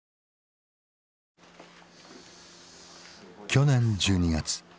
去年１２月。